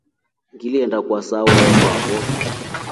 Ngiliinda kwa saayo wakwafo.